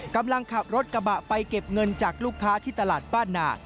กำลังขับรถกระบะไปเก็บเงินจากลูกค้าที่ตลาดบ้านนา